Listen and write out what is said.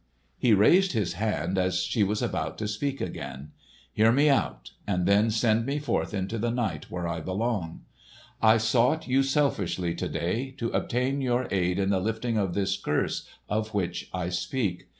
(He raised his hand, as she was about to speak again.) "Hear me out, and then send me forth into the night, where I belong! I sought you selfishly to day, to obtain your aid in the lifting of this curse, of which I speak.